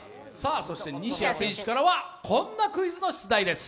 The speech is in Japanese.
そして西矢選手からは、こんなクイズの出題です。